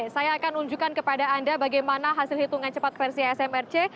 saya akan tunjukkan kepada anda bagaimana hasil hitungan cepat versi smrc